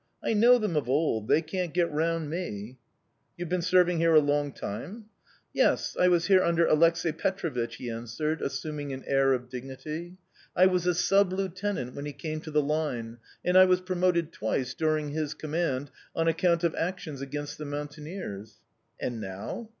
I know them of old, they can't get round me!" "You have been serving here a long time?" "Yes, I was here under Aleksei Petrovich," he answered, assuming an air of dignity. "I was a sub lieutenant when he came to the Line; and I was promoted twice, during his command, on account of actions against the mountaineers." "And now